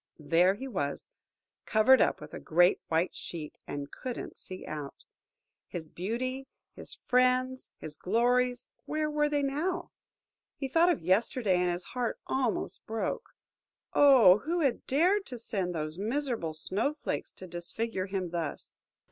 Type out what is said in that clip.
There he was, covered up with a great white sheet, and couldn't see out! His beauty, his friends, his glories, where were they now? He thought of yesterday, and his heart almost broke! Oh! who had dared to send those miserable Snow flakes to disfigure him thus?